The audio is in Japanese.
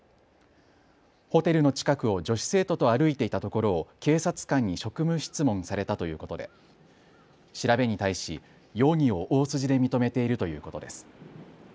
ホテルの近くを女子生徒と歩いていたところを警察官に職務質問されたということで調べに対し容疑を大筋で認めているということです。